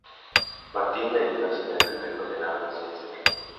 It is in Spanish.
Martín Merino sería el primer condenado en vestir este traje.